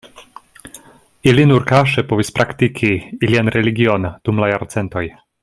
Ili nur kaŝe povis praktiki ilian religion dum la jarcentoj.